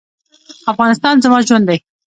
افغانستان زما ژوند دی؟